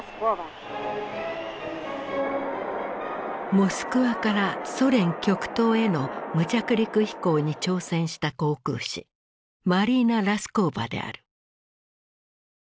モスクワからソ連極東への無着陸飛行に挑戦した航空士マリーナ・ラスコーヴァである。